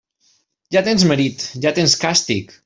Ja tens marit, ja tens castic.